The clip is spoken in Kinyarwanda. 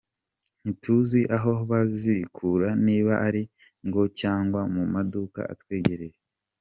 Ntituzi aho bazikura niba ari mu ngo cyangwa mu maduka atwegereye.